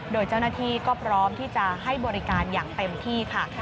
โดยเจ้าหน้าที่ก็พร้อมที่จะให้บริการอย่างเต็มที่ค่ะ